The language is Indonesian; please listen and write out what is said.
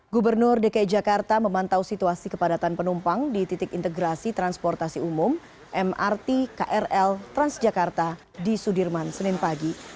gubernur dki jakarta memantau situasi kepadatan penumpang di titik integrasi transportasi umum mrt krl transjakarta di sudirman senin pagi